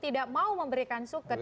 tidak mau memberikan suket